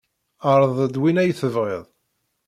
Ɛṛeḍ-d win ay tebɣid.